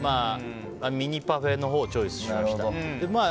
ミニパフェのほうをチョイスしました。